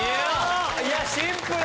いやシンプル！